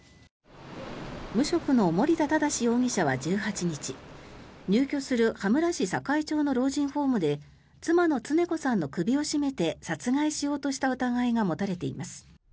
無職の森田良容疑者は１８日入居する羽村市栄町の老人ホームで妻の常子さんの首を絞めて殺害しようとした疑いが持たれています。